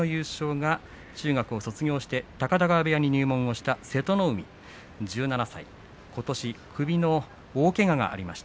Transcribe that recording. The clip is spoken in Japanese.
序ノ口の優勝が中学を卒業して高田川部屋に入門した瀬戸の海１７歳、ことし首の大けががありました。